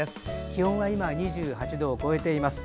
気温は今２８度を超えています。